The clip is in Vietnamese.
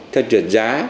theo trượt giá